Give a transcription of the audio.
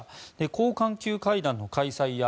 高官級会談の開催や